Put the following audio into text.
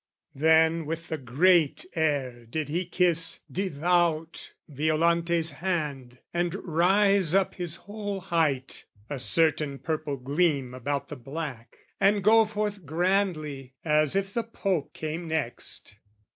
Then with the great air did he kiss, devout, Violante's hand, and rise up his whole height (A certain purple gleam about the black) And go forth grandly, as if the Pope came next.